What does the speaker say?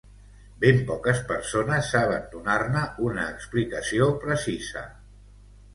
Ben poques persones saben donar-ne una explicació precisa.